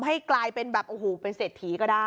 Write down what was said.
ให้กลายเป็นแบบโอ้โหเป็นเศรษฐีก็ได้